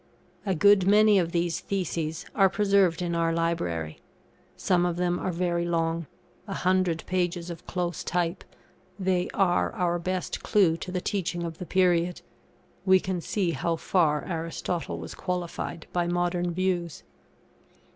A good many of these Theses are preserved in our Library; some of them are very long a hundred pages of close type; they are our best clue to the teaching of the period. We can see how far Aristotle was qualified by modern views.